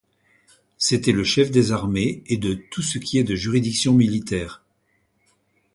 C'était le chef des armées et de tout ce qui est de juridiction militaire.